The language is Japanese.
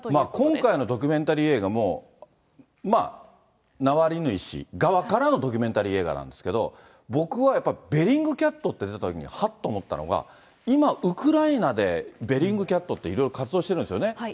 今回のドキュメンタリー映画もまあ、ナワリヌイ氏側からのドキュメンタリー映画なんですけど、僕はやっぱり、ベリングキャットって出たときに、はっと思ったのが、今、ウクライナでベリングキャットって、いろいろ活動しているんですよね。